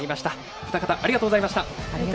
お二方、ありがとうございました。